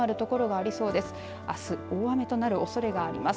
あす、大雨となるおそれがあります。